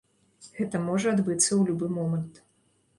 Гэта можа адбыцца ў любы момант.